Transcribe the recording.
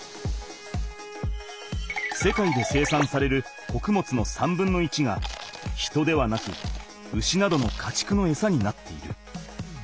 世界で生産されるこくもつの３分の１が人ではなく牛などのかちくのエサになっている。